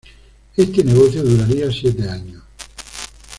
Este negocio duraría siete años.